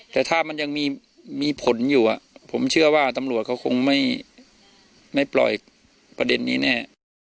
แต่ถ้ามันยังมีผลอยู่ผมเชื่อว่าตำรวจเขาคงไม่ปล่อยประเด็นนี้แน่